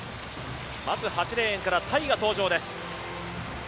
まず８レーンからタイが登場です。